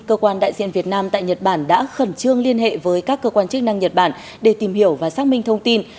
cơ quan đại diện việt nam tại nhật bản đã khẩn trương liên hệ với các cơ quan chức năng nhật bản để tìm hiểu và xác minh thông tin